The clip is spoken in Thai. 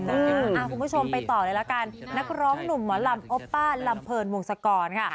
คุณผู้ชมไปต่อเลยละกันนักร้องหนุ่มหมอลำโอป้าลำเพลินวงศกรค่ะ